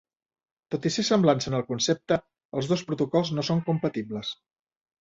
Tot i ser semblants en el concepte, els dos protocols no són compatibles.